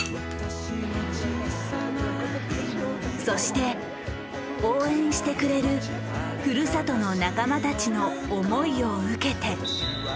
そして応援してくれるふるさとの仲間たちの思いを受けて。